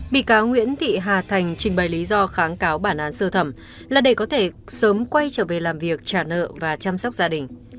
bị cáo nguyễn thị hà thành trình bày lý do kháng cáo bản án sơ thẩm là để có thể sớm quay trở về làm việc trả nợ và chăm sóc gia đình